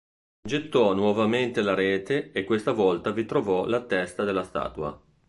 Gettò nuovamente la rete e questa volta vi trovò la testa della statua.